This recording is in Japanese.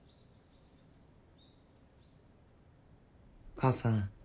母さん